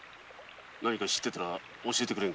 何か知っていたら教えてくれ。